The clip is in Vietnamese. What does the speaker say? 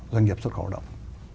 doanh nghiệp xuất khẩu hoạt động